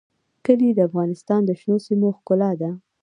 کلي د افغانستان د شنو سیمو ښکلا ده.